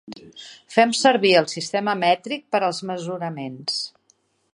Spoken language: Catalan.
Fem servir el sistema mètric per als mesuraments.